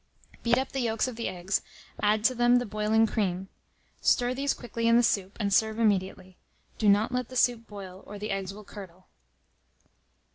Beat up the yolks of the eggs, add to them the boiling cream; stir these quickly in the soup, and serve immediately. Do not let the soup boil, or the eggs will curdle.